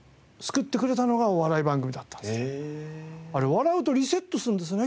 笑うとリセットするんですね